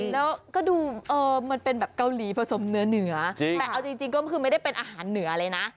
แล้วก็ดูมันเป็นแบบเกาหลีผสมเหนือเหนือแต่เอาจริงก็คือไม่ได้เป็นอาหารเหนือเลยนะ